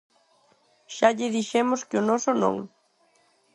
Xa lle dixemos que o noso non.